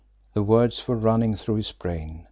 The words were running through his brain.